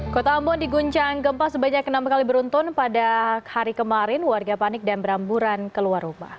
kota ambon diguncang gempa sebanyak enam kali beruntun pada hari kemarin warga panik dan beramburan keluar rumah